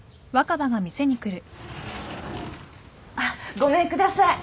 ごめんください。